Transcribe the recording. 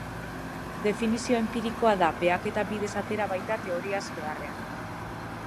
Definizio enpirikoa da, behaketa bidez atera baita teoriaz beharrean.